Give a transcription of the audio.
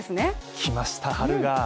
来ました、春が。